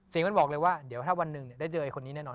มันบอกเลยว่าเดี๋ยวถ้าวันหนึ่งได้เจอไอคนนี้แน่นอน